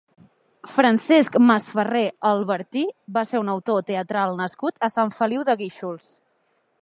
Francesc Masferrer Albertí va ser un autor teatral nascut a Sant Feliu de Guíxols.